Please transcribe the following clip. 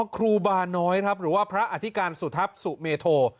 ครูบาน้อยครับหรือว่าพระอธิการสุทัพสุเมโท